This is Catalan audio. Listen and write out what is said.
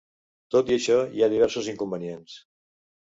Tot i això, hi ha diversos inconvenients.